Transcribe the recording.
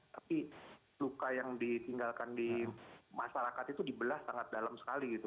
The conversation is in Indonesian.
tapi luka yang ditinggalkan di masyarakat itu dibelah sangat dalam sekali gitu